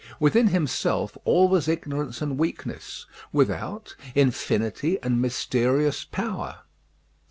Within himself all was ignorance and weakness; without, infinity and mysterious power.